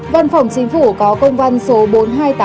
văn phòng chính phủ có công văn số bốn nghìn hai trăm tám mươi hai